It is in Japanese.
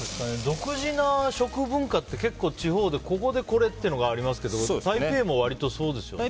独自な食文化って結構、地方でここでこれっていうのがありますけどタイピーエンも割とそうですよね。